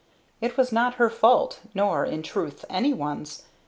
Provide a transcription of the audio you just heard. It was not her fault, nor, in truth anyone's.